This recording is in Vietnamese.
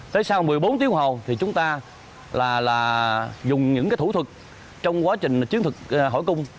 tới sau một mươi bốn tiếng hồ thì chúng ta là dùng những cái thủ thuật trong quá trình chiến thuật hội cung